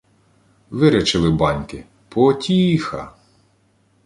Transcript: Вирячили баньки — по-о-ті-і-іха!